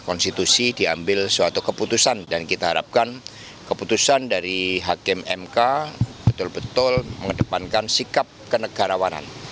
konstitusi diambil suatu keputusan dan kita harapkan keputusan dari hakim mk betul betul mengedepankan sikap kenegarawanan